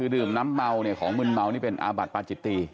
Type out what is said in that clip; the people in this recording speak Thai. ดื่มน้ำเมาของมืดเมานี่เป็นอับัติปายจิตตี